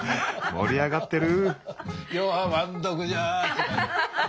盛り上がってる！